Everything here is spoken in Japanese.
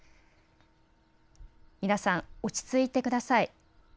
皆さん、落ち着いてください。